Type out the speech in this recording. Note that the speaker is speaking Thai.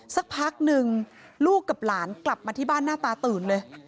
สักพักหนึ่งลูกกับหลานกลับมาที่บ้านหน้าตาตื่นเลย